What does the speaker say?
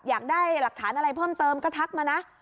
อยากได้หลักฐานอะไรเพิ่มเติมก็ทักมานะ